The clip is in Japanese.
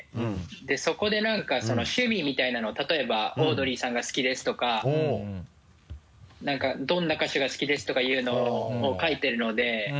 そこで何かその趣味みたいなのを例えば「オードリーさんが好きです」とか何か「どんな歌手が好きです」とかいうのを書いてるので。